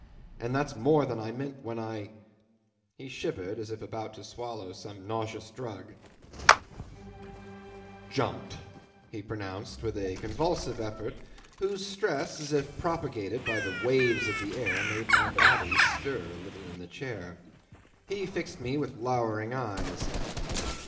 "And that's more than I meant when I" ... he shivered as if about to swallow some nauseous drug ... "jumped," he pronounced with a convulsive effort, whose stress, as if propagated by the waves of the air, made my body stir a little in the chair. He fixed me with lowering eyes.